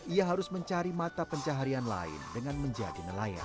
ia harus mencari mata pencaharian lain dengan menjadi nelayan